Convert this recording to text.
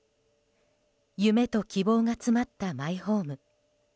夢と希望が詰まったマイホーム。